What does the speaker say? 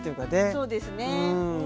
そうですねうん。